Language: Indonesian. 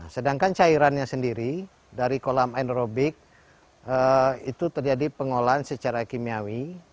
sedangkan cairannya sendiri dari kolam aerobik itu terjadi pengolahan secara kimiawi